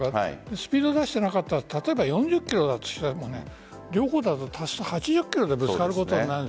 スピードを出していなかったら例えば４０キロだとしても両方足すと８０キロでぶつかることになる。